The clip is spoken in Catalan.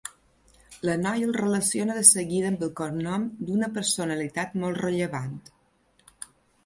La noia el relaciona de seguida amb el cognom d'una personalitat molt rellevant.